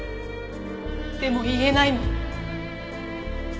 でも言えないの。